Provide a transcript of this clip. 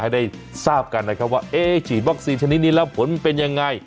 ให้ได้ทราบกันนะครับว่าเอ๊ะฉีดวัคซีนชนิดนี้แล้วผลมันเป็นยังไง